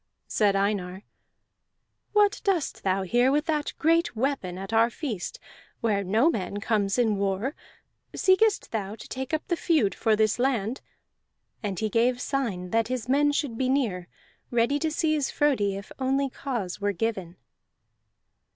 Said Einar: "What dost thou here with that great weapon at our feast, where no man comes in war? Seekest thou to take up the feud for this land?" And he gave sign that his men should be near, ready to seize Frodi if only cause were given.